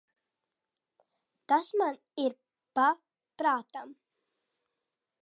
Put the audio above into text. Tas man ir pa prātam.